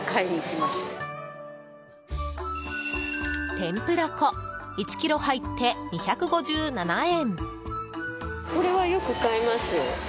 天ぷら粉１ｋｇ入って２５７円。